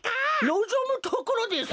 のぞむところです！